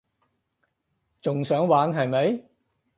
仲想玩係咪？